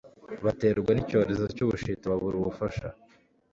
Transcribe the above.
baterwa nicyorezo cyubushita babura ubufasha